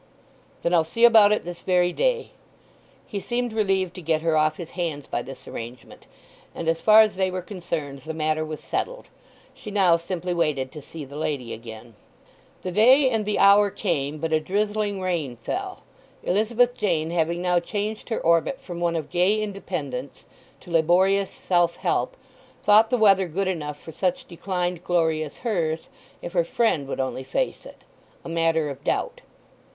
"Then I'll see about it this very day." He seemed relieved to get her off his hands by this arrangement, and as far as they were concerned the matter was settled. She now simply waited to see the lady again. The day and the hour came; but a drizzling rain fell. Elizabeth Jane having now changed her orbit from one of gay independence to laborious self help, thought the weather good enough for such declined glory as hers, if her friend would only face it—a matter of doubt.